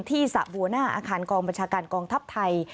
สะบัวหน้าอาคารกองบัญชาการกองทัพไทย